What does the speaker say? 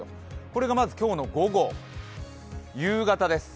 これがまず今日の午後、夕方です。